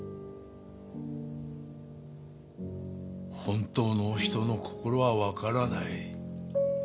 本当の人の心はわからない。